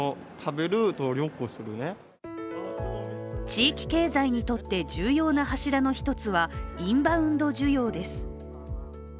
地域経済にとって重要な柱の１つはインバウンド需要です。